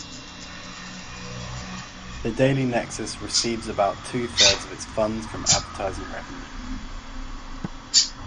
The Daily Nexus receives about two thirds of its funds from advertising revenue.